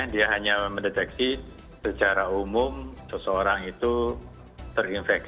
dia hanya mendeteksi secara umum seseorang itu terinfeksi